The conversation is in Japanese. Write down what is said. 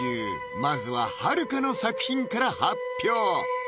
まずははるかの作品から発表